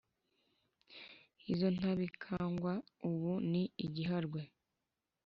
izo ntabikangwa ubu ni igiharwe